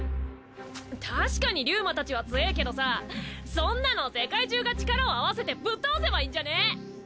たしかにリュウマたちは強ぇーけどさそんなの世界中が力を合わせてぶっ倒せばいいんじゃね？